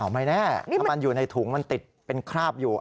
ไม่แน่ถ้ามันอยู่ในถุงมันติดเป็นคราบอยู่